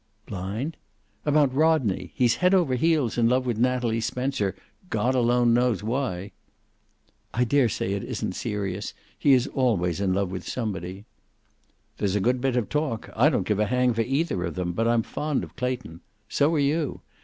"Blind?" "About Rodney. He's head over heels in love with Natalie Spencer, God alone knows why." "I daresay it isn't serious. He is always in love with somebody." "There's a good bit of talk. I don't give a hang for either of them, but I'm fond of Clayton. So are you.